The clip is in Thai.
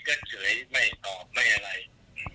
ศพคุณลุงก็นอนอยู่ตรงนั้นนั่นแหละ